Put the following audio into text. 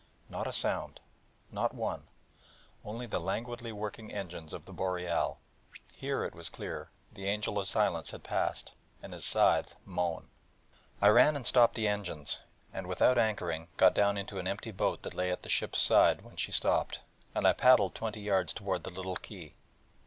Not a sound, not one: only the languidly working engines of the Boreal. Here, it was clear, the Angel of Silence had passed, and his scythe mown. I ran and stopped the engines, and, without anchoring, got down into an empty boat that lay at the ship's side when she stopped; and I paddled twenty yards toward the little quay.